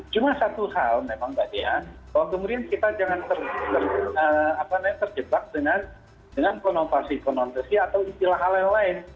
cuma satu hal memang pak deha kalau kemudian kita jangan terjebak dengan pronotasi pronotasi atau istilah hal lain lain